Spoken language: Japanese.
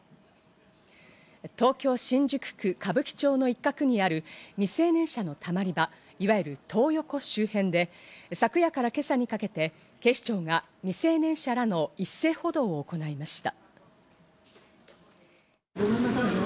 東京・新宿区歌舞伎町の一角にある未成年者のたまり場、いわゆるトー横周辺で、昨夜から今朝にかけて警視庁が未成年者らの一斉補導を行いました。